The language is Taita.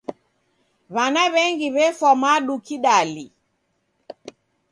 W'ana w'engi w'efwa madu kidali.